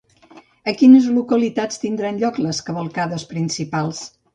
A quines localitats tindran lloc les cavalcades principals?